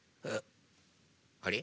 あれ？